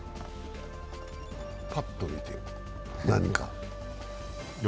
パッと見て何か？